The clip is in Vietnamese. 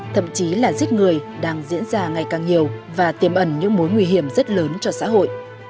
thậm chí là giết người đang diễn ra ngày càng nhiều và tiềm ẩn những mối nguy hiểm rất lớn cho xã hội